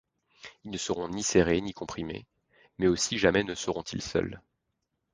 Ils ne seront ni serrés ni comprimés ; mais aussi jamais ne seront-ils seuls.